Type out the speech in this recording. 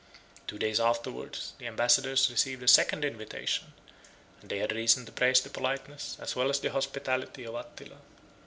Two days afterwards, the ambassadors received a second invitation; and they had reason to praise the politeness, as well as the hospitality, of Attila.